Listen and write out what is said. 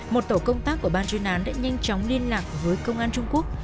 một tổ công tác của ban chuyên án đã nhanh chóng liên lạc với công an trung quốc